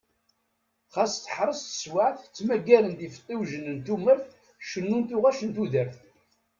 Xas teḥṛes teswaɛt ttmagaren-d ifeṭṭiwjen n tumert, cennun tuɣac n tudert.